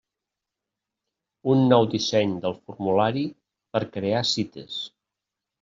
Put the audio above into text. Un nou disseny del formulari per crear cites.